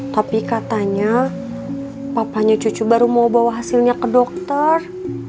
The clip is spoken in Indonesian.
tapi katanya papanya cucu baru mau bawa hasilnya ke dokter